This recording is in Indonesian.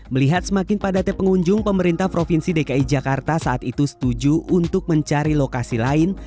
melihat semakin padatnya pengunjung pemerintah provinsi dki jakarta saat itu setuju untuk mencari lokasi lain